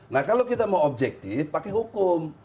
nah kalau kita mau objektif pakai hukum